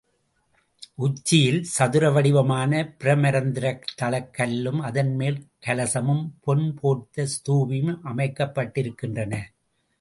உச்சியில் சதுர வடிவமான பிரமரந்திரத் தளக் கல்லும், அதன் மேல் கலசமும், பொன் போர்த்த ஸ்தூபியும் அமைக்கப்பட்டிருக்கின்றன.